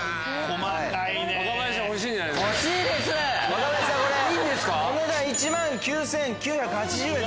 お値段１万９９８０円。